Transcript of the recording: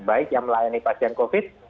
baik yang melayani pasien covid